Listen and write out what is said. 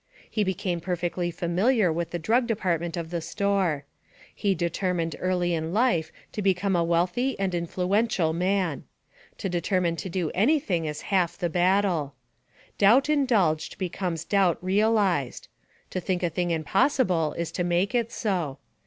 He became perfectly familiar with the drug department of the store. He determined early in life to become a wealthy and influential man. To determine to do anything is half the battle. "Doubt indulged becomes doubt realized." "To think a thing impossible is to make it so."